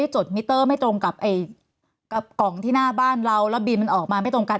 จดมิเตอร์ไม่ตรงกับกล่องที่หน้าบ้านเราแล้วบีมมันออกมาไม่ตรงกัน